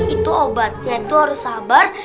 itu obatnya itu harus sabar